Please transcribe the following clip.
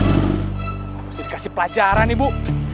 mesti dikasih pelajaran ibu